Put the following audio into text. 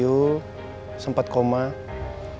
tapi alhamdulillah semalam pak sumarno sudah mulai sadar